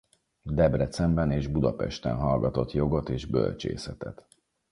Debrecenben és Budapesten hallgatott jogot és bölcsészetet.